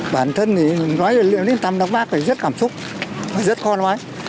bản thân thì nói đến tâm lăng bác thì rất cảm xúc rất khôn hoái